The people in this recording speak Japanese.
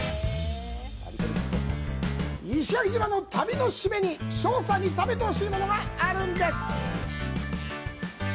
石垣島の旅のシメに翔さんに食べてほしいものがあるんです。